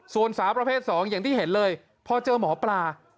ส่วนสาวประเภท๒อย่างที่เห็นเลยพอเจอหมอปลา